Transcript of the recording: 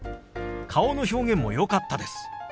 顔の表現もよかったです。